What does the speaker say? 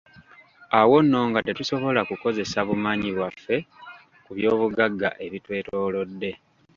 Awo nno nga tetusobola kukozesa bumanyi bwaffe ku by'obugagga ebitwetoolodde.